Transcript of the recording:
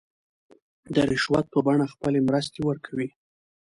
د رشوت په بڼه خپلې مرستې ورکوي.